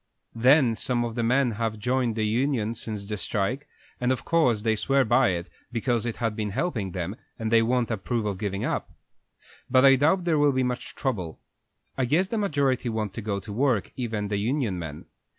Then some of the men have joined the union since the strike, and of course they swear by it, because it has been helping them, and they won't approve of giving up. But I doubt if there will be much trouble. I guess the majority want to go to work, even the union men.